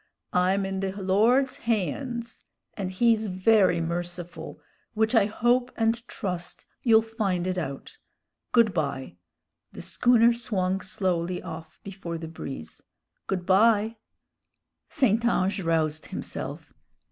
"I'm in the Lord's haynds, and he's very merciful, which I hope and trust you'll find it out. Good by!" the schooner swung slowly off before the breeze "good by!" St. Ange roused himself.